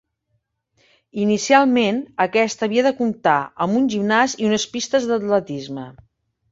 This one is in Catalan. Inicialment, aquest havia de comptar, amb un gimnàs i unes pistes d'atletisme.